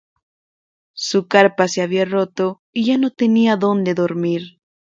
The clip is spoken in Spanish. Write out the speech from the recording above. Su carpa se había roto y ya no tenía donde dormir.